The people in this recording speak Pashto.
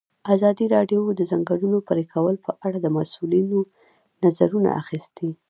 ازادي راډیو د د ځنګلونو پرېکول په اړه د مسؤلینو نظرونه اخیستي.